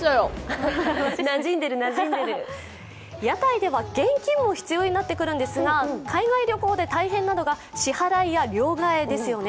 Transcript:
屋台では現金も必要になってくるんですが、海外旅行で大変なのが支払いや両替ですよね。